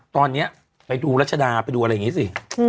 ตอนนี้ไปดูรัชดาไปดูอะไรอย่างนี้สิ